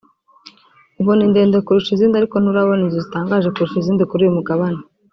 ubona indende kurusha izindi ariko nturabona inzu zitangaje kurusha izindi kuri uyu mugabane